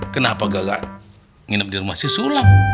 kenapa gak gak nginep di rumah si sulam